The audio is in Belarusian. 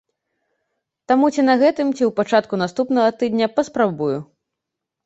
Таму ці на гэтым, ці ў пачатку наступнага тыдня паспрабую.